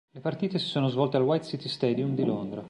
Le partite si sono svolte al White City Stadium di Londra.